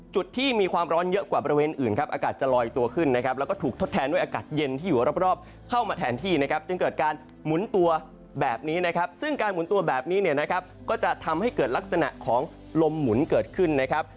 จุดที่มีความร้อนเยอะกว่าบริเวณอื่นครับอากาศจะลอยตัวขึ้นนะครับแล้วก็ถูกทดแทนด้วยอากาศเย็นที่อยู่รอบเข้ามาแทนที่นะครับจึงเกิดการหมุนตัวแบบนี้นะครับซึ่งการหมุนตัวแบบนี้เนี่ยนะครับก็จะทำให้เกิดลักษณะของลมหมุนเกิดขึ้นนะครับ